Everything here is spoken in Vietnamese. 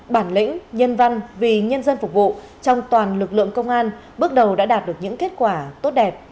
bản lĩnh nhân văn vì nhân dân phục vụ trong toàn lực lượng công an bước đầu đã đạt được những kết quả tốt đẹp